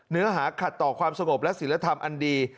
เนื้อหาขัดต่อความสงบและศิลธรรมอันดี